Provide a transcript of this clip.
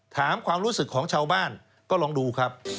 ถามความรู้สึกของชาวบ้านก็ลองดูครับ